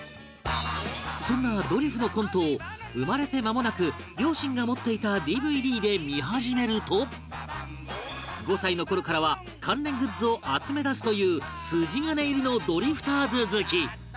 そんなドリフのコントを生まれてまもなく両親が持っていた ＤＶＤ で見始めると５歳の頃からは関連グッズを集めだすという筋金入りのドリフターズ好き